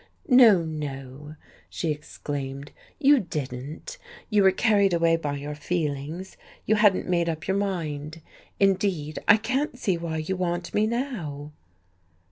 "No, no," she exclaimed, "you didn't. You were carried away by your feelings you hadn't made up your mind. Indeed, I can't see why you want me now."